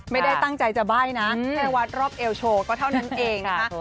ไม่ได้ตั้งใจจะใบ้นะแค่วัดรอบเอวโชว์ก็เท่านั้นเองนะคะ